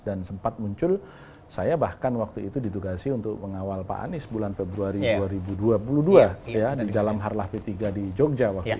dan sempat muncul saya bahkan waktu itu didukasi untuk mengawal pak anies bulan februari dua ribu dua puluh dua di dalam harlah p tiga di jogja waktu itu